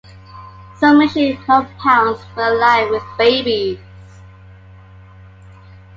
Some mission compounds were alive with babies.